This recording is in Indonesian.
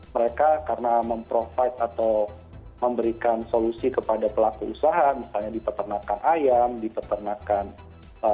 mereka karena memprovide atau memberikan solusi kepada pelaku usaha misalnya di peternakan ayam di peternakan